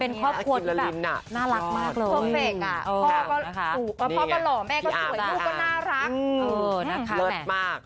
เป็นครอบครวดแบบน่ารักมากเลยพ่อก็เหล่าแม่ก็สวยลูกก็น่ารัก